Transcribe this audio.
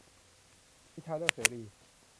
วิชาเลือกเสรี